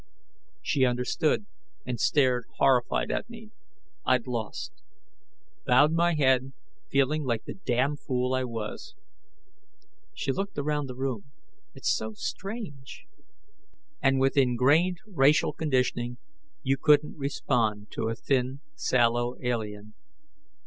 She understood, and stared horrified at me. I'd lost. Bowed my head, feeling like the damned fool I was. She looked around the room. "It's so strange!" "And with ingrained racial conditioning, you couldn't respond to a thin, sallow alien."